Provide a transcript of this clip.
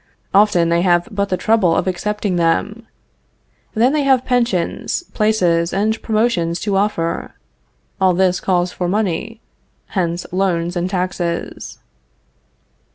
Often they have but the trouble of accepting them. Then they have pensions, places, and promotions to offer. All this calls for money. Hence loans and taxes.